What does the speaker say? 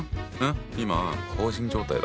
今放心状態だった。